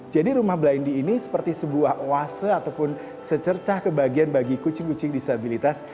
jadi rumah blendy ini seperti sebuah oase ataupun secercah kebagian bagi kucing kucing disabilitas